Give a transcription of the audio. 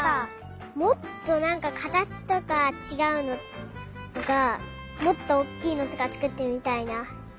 もっとなんかかたちとかちがうのとかもっとおっきいのとかつくってみたいな。